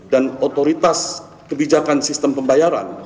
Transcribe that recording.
dan otoritas kebijakan sistem pembayaran